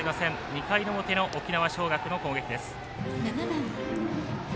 ２回の表の沖縄尚学の攻撃です。